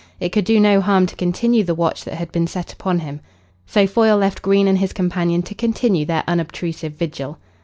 It could do no harm to continue the watch that had been set upon him. So Foyle left Green and his companion to continue their unobtrusive vigil.